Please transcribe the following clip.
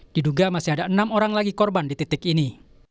diduga masih ada enam orang lagi korban di titik ini